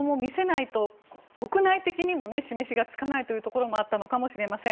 国内的にも示しがつかないというところもあったのかもしれません。